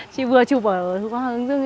chị vừa chụp ở hoa hướng dương